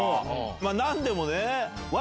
何でもね。